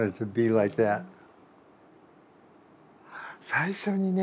最初にね